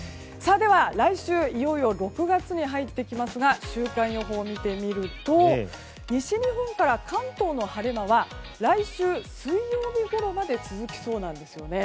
では、来週いよいよ６月に入ってきますが週間予報を見てみると西日本から関東の晴れ間は来週水曜日ごろまで続きそうなんですね。